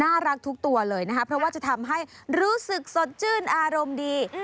รักทุกตัวเลยนะคะเพราะว่าจะทำให้รู้สึกสดชื่นอารมณ์ดี